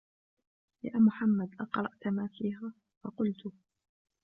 يَا مُحَمَّدُ أَقْرَأْت مَا فِيهَا ؟ فَقُلْت